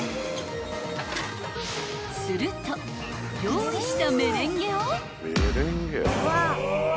［すると用意したメレンゲを］